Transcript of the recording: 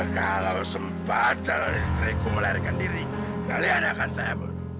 kalau sempat celana istriku melarikan diri kalian akan saya bunuh